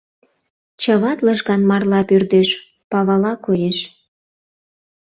Чыват лыжган марла пӧрдеш, павала коеш.